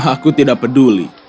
aku tidak peduli